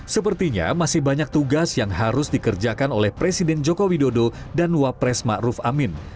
sepertinya masih banyak tugas yang harus dikerjakan oleh presiden jokowi dodo dan wapresma ruf amin